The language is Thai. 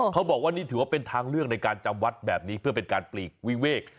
เขาบอกว่านี่ถือว่าเป็นทางเลือกในการจำวัดแบบนี้เพื่อเป็นการปลีกวิเวก